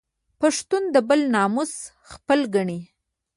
پښتون د بل ناموس خپل ګڼي